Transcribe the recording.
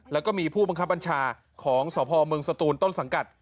แล้วก็มีผู้บังคับบัญชาของสพเมืองสตูนต้นสังกัด